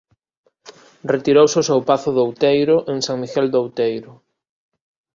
Retirouse ao seu pazo de Outeiro en San Miguel do Outeiro.